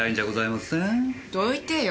どいてよ